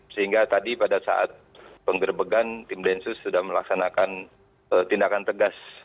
sehingga tadi pada saat penggerbegan tim densus sudah melaksanakan tindakan tegas